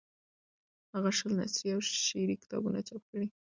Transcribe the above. هغه شل شعري او نثري کتابونه چاپ کړي.